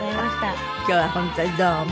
今日は本当にどうも。